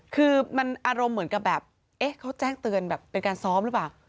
คือมันอารมณ์เหมือนกับแบบเอ๊ะเขาแจ้งเตือนแบบเป็นการซ้อมหรือเปล่า